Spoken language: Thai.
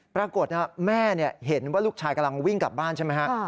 ปรากฏแม่เห็นว่าลูกชายกำลังวิ่งกลับบ้านใช่ไหมฮะ